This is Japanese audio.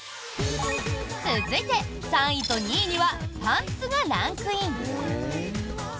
続いて、３位と２位にはパンツがランクイン！